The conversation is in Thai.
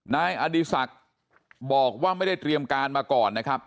นายอดีศักดิ์บอกว่าไม่ได้เตรียมการมาก่อนนะครับ